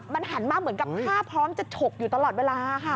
มันหันมาเหมือนกับท่าพร้อมจะฉกอยู่ตลอดเวลาค่ะ